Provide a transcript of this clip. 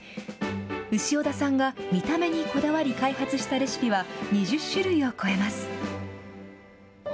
潮田さんが見た目にこだわり、開発したレシピは２０種類を超えます。